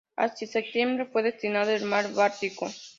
Hacia septiembre, fue destinado al mar Báltico.